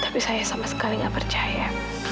tapi saya sama sekali nggak percaya